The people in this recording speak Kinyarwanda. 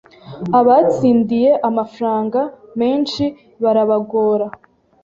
abatsindiye amafaranga menshi barabagora